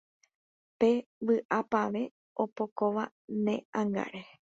Pe vy'apavẽ opokóva ne ángare